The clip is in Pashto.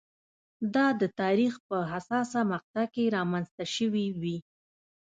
دا د تاریخ په حساسه مقطعه کې رامنځته شوې وي.